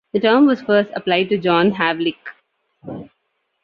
The term was first applied to John Havlicek.